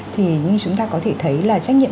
thì như chúng ta có thể thấy là trách nhiệm